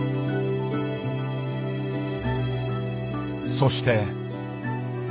そして。